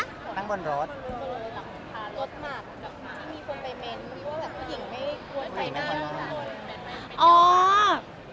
หลังจากนี้